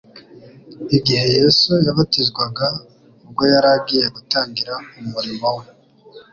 igihe Yesu yabatizwaga ubwo yari agiye gutangira umurimo we;